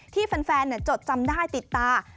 ที่แฟนจดจำได้ติดตา